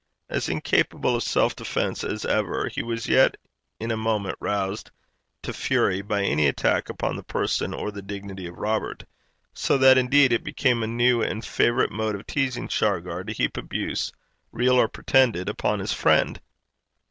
As incapable of self defence as ever, he was yet in a moment roused to fury by any attack upon the person or the dignity of Robert: so that, indeed, it became a new and favourite mode of teasing Shargar to heap abuse, real or pretended, upon his friend.